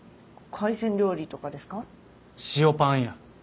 塩パンや。